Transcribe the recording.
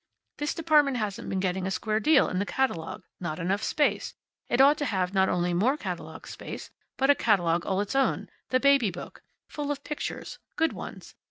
This department hasn't been getting a square deal in the catalogue. Not enough space. It ought to have not only more catalogue space, but a catalogue all its own the Baby Book. Full of pictures. Good ones.